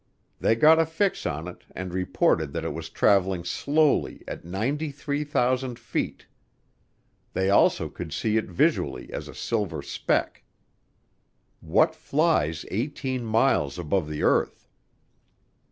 They got a fix on it and reported that it was traveling slowly at 93,000 feet. They also could see it visually as a silver speck. What flies 18 miles above the earth?